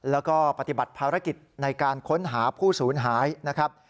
แล้วก็ปฏิบัติภารกิจในการค้นหาผู้สูญหายนะครับ